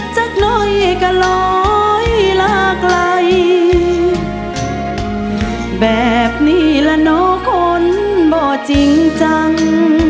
สักหน่อยก็ลอยลาไกลแบบนี้ละเนาะคนบ่จริงจัง